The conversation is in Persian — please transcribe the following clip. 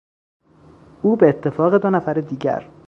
او به اتفاق دو نفر دیگر